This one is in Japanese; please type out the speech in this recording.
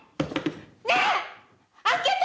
ねえ開けて！」